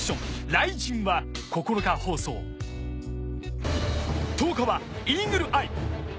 『雷神』は９日放送１０日は『イーグル・アイ』。